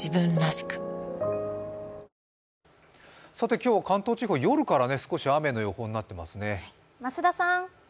今日、関東地方、夜から雨の予報になってますね。